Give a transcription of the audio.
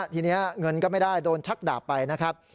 ทีนี้เงินก็ไม่ได้โดนชักดาบไปนะครับ